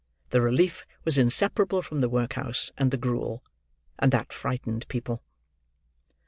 The relief was inseparable from the workhouse and the gruel; and that frightened people.